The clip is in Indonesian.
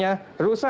pada periode inilah